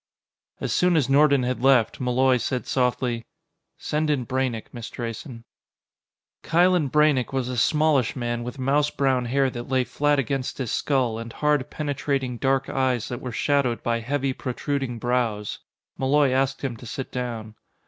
As soon as Nordon had left, Malloy said softly: "Send in Braynek, Miss Drayson." Kylen Braynek was a smallish man with mouse brown hair that lay flat against his skull, and hard, penetrating, dark eyes that were shadowed by heavy, protruding brows. Malloy asked him to sit down.